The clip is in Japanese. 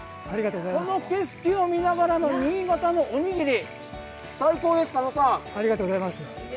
この景色を見ながらの新潟のおにぎり、最高です、佐野さん！